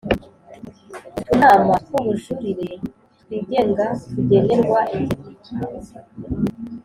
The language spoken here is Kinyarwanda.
Utunama tw ububujurire twigenga tugenerwa ingengo